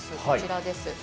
こちらです。